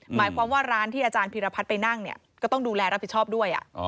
หมายความว่าร้านที่อาจารย์พิรพัฒน์ไปนั่งเนี่ยก็ต้องดูแลรับผิดชอบด้วย